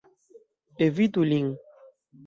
Evitu lin.